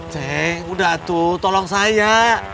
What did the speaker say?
cek udah tuh tolong saya